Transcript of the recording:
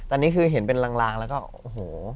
อันนี้คือเห็นเป็นลางแล้วก็โอ้โห